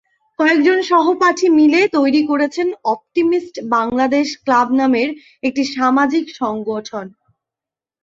কয়েকজন সহপাঠী মিলে তৈরি করেছেন অপটিমিস্ট বাংলাদেশ ক্লাব নামের একটি সামাজিক সংগঠন।